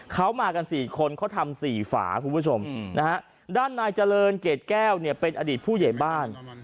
เขามากัน๔คนเขาทำ๔ฝาคุณผู้ชมนะฮะด้านนายเจริญเกรดแก้วเนี่ยเป็นอดีตผู้ใหญ่บ้าน